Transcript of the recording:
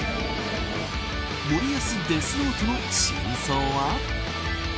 森保デスノートの真相は。